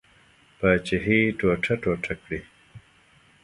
پاچهي ټوټه ټوټه کړي.